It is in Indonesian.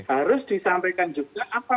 harus disampaikan juga apa